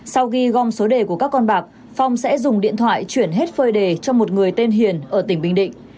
sau khi gom số đề của các con bạc phong sẽ dùng điện thoại chuyển hết phơi đề cho một người tên hiền ở tỉnh bình định